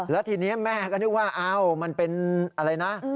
แล้วทีนี้แม่ก็นึกว่ามันเป็นอะไรนะ